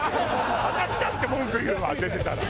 私だって文句言うわ出てたら。